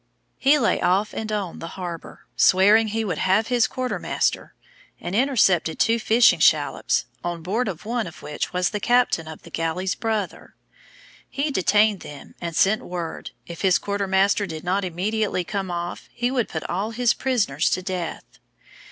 He lay off and on the harbor, swearing he would have his quarter master, and intercepted two fishing shallops, on board of one of which was the captain of the galley's brother. He detained them, and sent word, if his quarter master did not immediately come off, he would put all his prisoners to death.